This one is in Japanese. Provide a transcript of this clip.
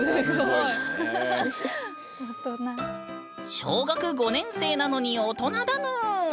小学５年生なのに大人だぬん。